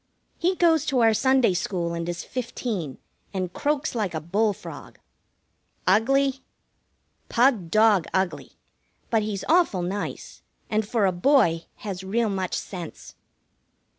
He goes to our Sunday school and is fifteen, and croaks like a bull frog. Ugly? Pug dog ugly; but he's awful nice, and for a boy has real much sense.